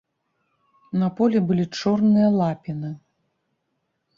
На полі былі чорныя лапіны.